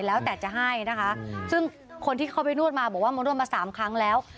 แล้วแต่จะให้นะคะซึ่งคนที่เขาไปนวดมาบอกว่ามานวดมาสามครั้งแล้ว